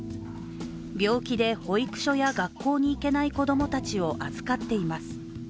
病気で保育所や学校にいけない子供たちを預かっています。